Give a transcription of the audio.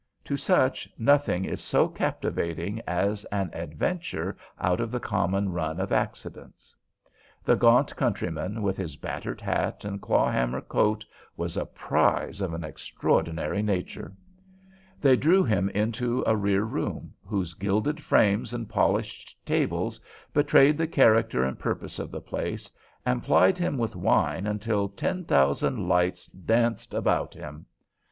To such nothing is so captivating as an adventure out of the common run of accidents. The gaunt countryman, with his battered hat and clawhammer coat, was a prize of an extraordinary nature. They drew him into a rear room, whose gilded frames and polished tables betrayed the character and purpose of the place, and plied him with wine until ten thousand lights danced about him.